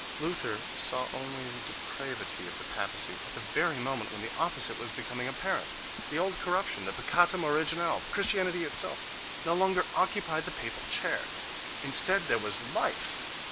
—Luther saw only the depravity of the papacy at the very moment when the oppo site was becoming apparent: the old corruption, the peccatum originale, Christianity itself, no longer occupied the papal chair! Instead there was life!